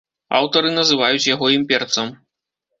Аўтары называюць яго імперцам.